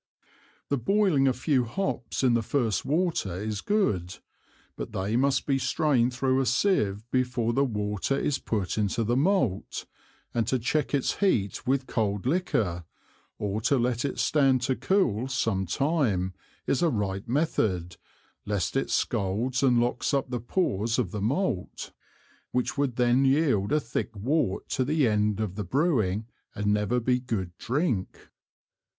The boiling a few Hops in the first Water is good, but they must be strained thro' a Sieve before the Water is put into the Malt; and to check its Heat with cold Liquor, or to let it stand to cool some time, is a right Method, lest it scalds and locks up the Pores of the Malt, which would then yield a thick Wort to the end of the Brewing and never be good Drink.